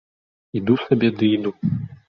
Іду сабе ды іду.